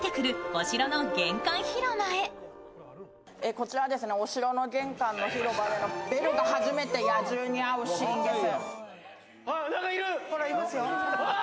こちらはお城の玄関の広場でベルが初めて野獣に会うシーンです。